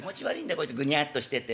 こいつぐにゃっとしてて。